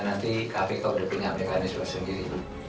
nanti kpk sudah punya mekanisme sendiri